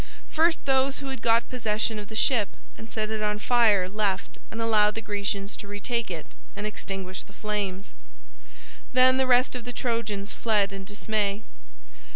First those who had got possession of the ship and set it on fire left and allowed the Grecians to retake it and extinguish the flames. Then the rest of the Trojans fled in dismay.